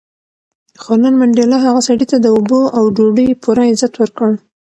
خو نن منډېلا هغه سړي ته د اوبو او ډوډۍ پوره عزت ورکړ.